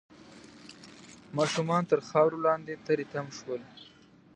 ماشومان تر خاورو لاندې تري تم شول